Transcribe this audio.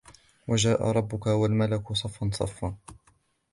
وجاء ربك والملك صفا صفا